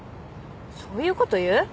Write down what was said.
そういうこと言う？